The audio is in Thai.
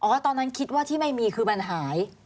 ตอนนั้นคิดว่าที่ไม่มีคือมันหาย